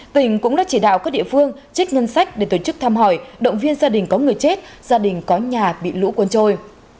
tỉnh cũng đã chỉ đạo các địa phương trích ngân sách để tổ chức thăm hỏi động viên gia đình có người chết gia đình có nhà bị lũ cuốn trôi